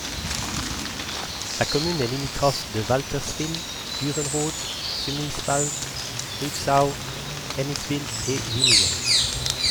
La commune est limitrophe de Walterswil, Dürrenroth, Sumiswald, Rüegsau, Heimiswil et Wynigen.